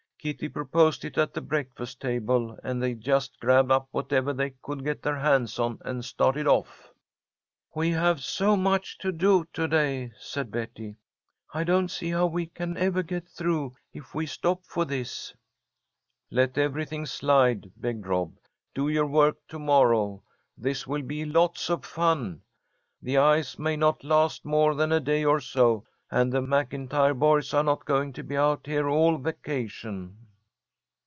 "Kitty proposed it at the breakfast table, and they just grabbed up whatever they could get their hands on and started off." "We have so much to do to day," said Betty. "I don't see how we can ever get through if we stop for this." "Let everything slide!" begged Rob. "Do your work to morrow. This will be lots of fun. The ice may not last more than a day or so, and the MacIntyre boys are not going to be out here all vacation."